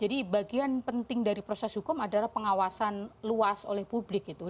jadi bagian penting dari proses hukum adalah pengawasan luas oleh publik gitu